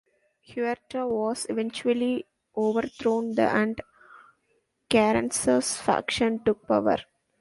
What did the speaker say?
Huerta was eventually overthrown and Carranza's faction took power.